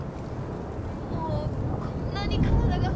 もうこんなに体がほてって。